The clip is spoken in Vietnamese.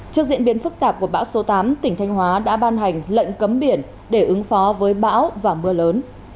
trước diễn biến phức tạp của bão số tám tỉnh thanh hóa đã ban hành lệnh cấm biển để ứng phó với bão và mưa lớn